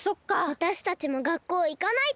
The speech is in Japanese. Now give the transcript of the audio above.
わたしたちもがっこういかないと。